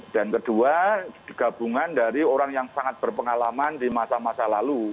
dan kedua gabungan dari orang yang sangat berpengalaman di masa masa lalu